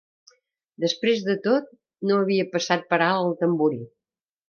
Després de tot, no havia passat per alt el tamborí.